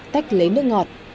tách lấy nước ngọt